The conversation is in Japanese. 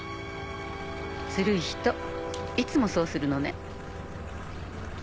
ずるい人いつもそうするのね。